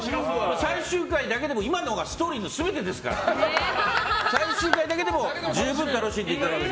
最終回だけでも今のがストーリーの全てですから最終回だけでも十分楽しんでいただける。